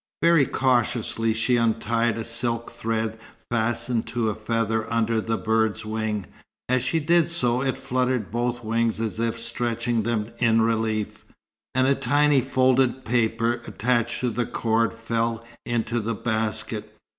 Very cautiously she untied a silk thread fastened to a feather under the bird's wing. As she did so it fluttered both wings as if stretching them in relief, and a tiny folded paper attached to the cord fell into the basket.